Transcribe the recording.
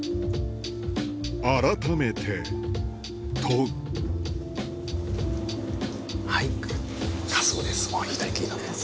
改めて問うはいかすごです。